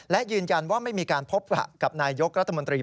และยืนยันว่าไม่มีการพบประกับนายยกรัฐมนตรี